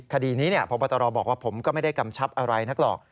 คดีนี้พบตรบอกว่าผมก็ไม่ได้กำชับอะไรนักหรอก